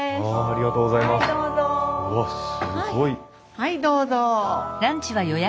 はいどうぞ。